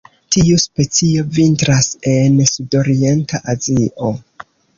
Tiu specio vintras en sudorienta Azio.